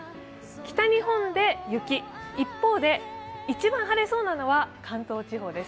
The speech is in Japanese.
北日本は雪、一方で一番晴れそうなのは関東地方です。